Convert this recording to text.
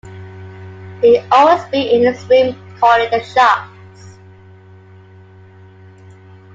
He'd always be in his room calling the shots.